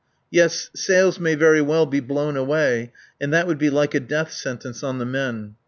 Yes, sails may very well be blown away. And that would be like a death sentence on the men.